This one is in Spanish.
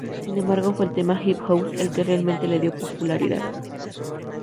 Sin embargo, fue el tema "Hip House" el que realmente le dio popularidad.